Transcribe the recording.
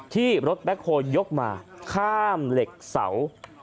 ที่รถแบ็คโฮยกมาข้ามเหล็กเสา